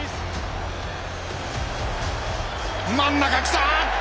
真ん中きた！